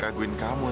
itu juga menggoda